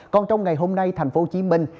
còn trong ngày hôm nay thành phố hồ chí minh